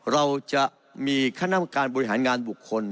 เราจะมีคณะกรรมการบริหารงานบุคคล